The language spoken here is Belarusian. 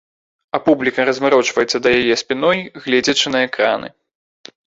А публіка разварочваецца да яе спінай, гледзячы на экраны.